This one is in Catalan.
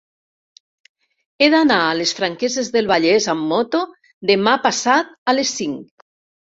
He d'anar a les Franqueses del Vallès amb moto demà passat a les cinc.